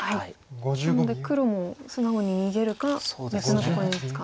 なので黒も素直に逃げるか別のとこに打つか。